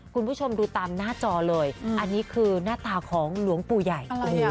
คุณผู้ชมดูตามหน้าจอเลยอันนี้คือหน้าตาของหลวงปู่ใหญ่